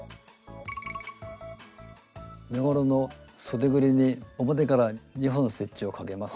身ごろのそでぐりに表から２本ステッチをかけます。